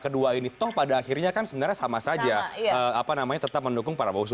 kedua ini toh pada akhirnya kan sebenarnya sama saja apa namanya tetap mendukung prabowo